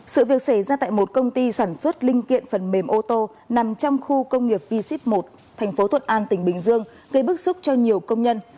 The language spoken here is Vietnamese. sự việc xảy ra tại một công ty sản xuất linh kiện phần mềm ô tô nằm trong khu công nghiệp v ship một thành phố thuận an tỉnh bình dương gây bức xúc cho nhiều công nhân